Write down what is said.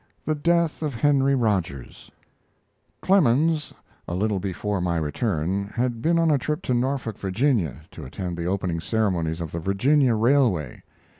THE DEATH OF HENRY ROGERS Clemens, a little before my return, had been on a trip to Norfolk, Virginia, to attend the opening ceremonies of the Virginia Railway.